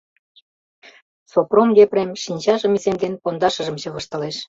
Сопром Епрем, шинчажым иземден, пондашыжым чывыштылеш.